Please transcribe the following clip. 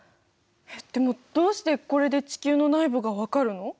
でもどうしてこれで地球の内部が分かるの？